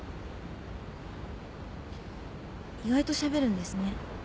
意外としゃべるんですね。